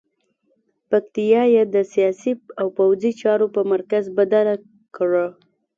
پکتیا یې د سیاسي او پوځي چارو په مرکز بدله کړه.